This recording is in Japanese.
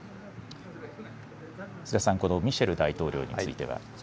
須田さん、このミシェル大統領については。